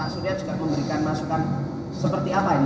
dan mungkin pak surya juga memberikan masukan seperti apa ini